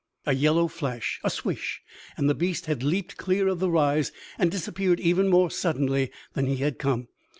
A yellow flash, a swish and the beast had leaped clear of the rise and disappeared even more suddenly than he had come.